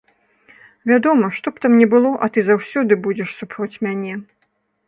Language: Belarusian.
Вядома, што б там ні было, а ты заўсёды будзеш супроць мяне.